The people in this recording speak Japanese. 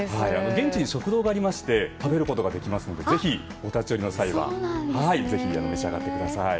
現地に食堂がありまして食べることができますのでぜひお立ち寄りの際はぜひ召し上がってください。